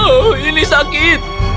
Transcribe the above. oh ini sakit